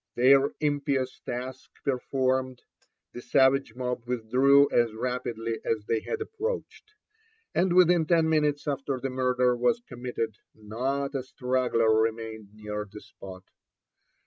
Their impious task performed, the savage mob withdrew as rapidly as they had approached ; and within ten minutes after the murder was committed, not a strag^er remained near the spot.